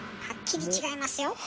はっきり違いますよ。